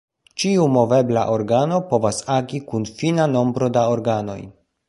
Ĉiu movebla organo povas agi kun fina nombro da organoj.